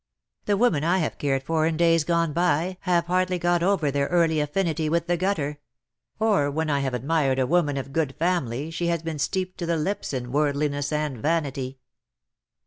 "The women I have cared for in days gone ,by have hardly got over their early affinity with the gutter ; or when I have admired a woman of good family she has been steeped to the lips in worldliness and vanity."